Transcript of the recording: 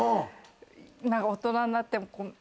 大人になって。